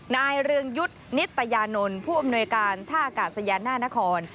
เรืองยุทธ์นิตยานนท์ผู้อำนวยการท่าอากาศยานหน้านคร